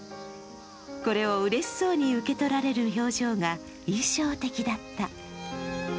これをうれしそうに受け取られる表情が印象的だった。